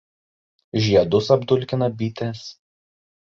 Žiedus apdulkina bitės.